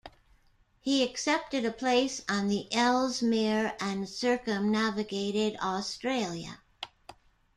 He accepted a place on the "Ellesmere" and circumnavigated Australia.